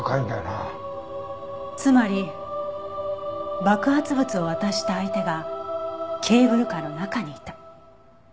つまり爆発物を渡した相手がケーブルカーの中にいた。